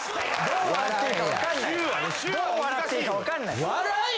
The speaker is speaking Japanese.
どう笑っていいか分かんない。